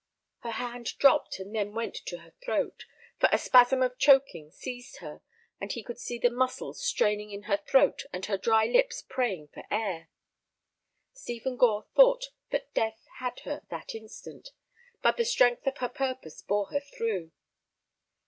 Her hand dropped and then went to her throat, for a spasm of choking seized her, and he could see the muscles straining in her throat and her dry lips praying for air. Stephen Gore thought that death had her that instant, but the strength of her purpose bore her through.